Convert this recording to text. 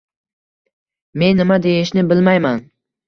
Men nima deyishni bilmayman